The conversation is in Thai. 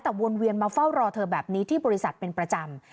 แต่วนเวียนมาเฝ้ารอเธอแบบนี้ที่บริษัทเป็นประจำ